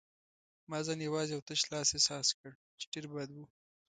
ما ځان یوازې او تش لاس احساس کړ، چې ډېر بد و.